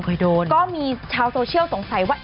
ก็มีชาวโซเชียลสงสัยว่า